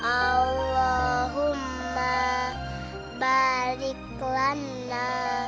allahumma barik lana